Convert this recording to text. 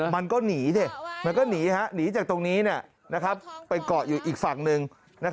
มันก็หนีสิมันก็หนีจากตรงนี้ไปเกาะอยู่อีกฝั่งหนึ่ง